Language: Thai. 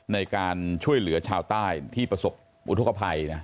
ในการช่วยเหลือชาวใต้ที่ประสบอุทธกภัย